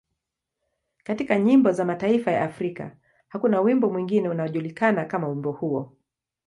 Katika nyimbo za mataifa ya Afrika, hakuna wimbo mwingine unaojulikana kama wimbo huo.